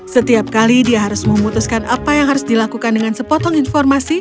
setiap kali dia harus memutuskan apa yang harus dilakukan dengan sepotong informasi